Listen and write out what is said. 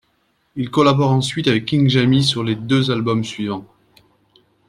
Il collabore ensuite avec King Jammy sur ses deux albums suivants.